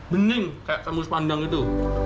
bening kayak tembus pandang itu